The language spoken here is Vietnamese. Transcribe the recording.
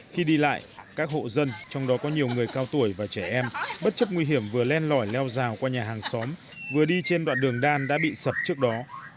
khi đi lại các hộ dân trong đó có nhiều người cao tuổi và trẻ em bất chấp nguy hiểm vừa lên lòi leo rào qua nhà hàng xóm vừa đi trên đoạn đường đan đã bị sập trước đó